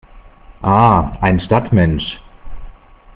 Ah, ein Stadtmensch!